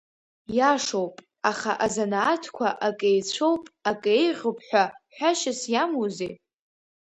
Ииашоуп, аха азанааҭқәа ак еицәоуп, ак еиӷьуп ҳәа ҳәашьас иамоузеи?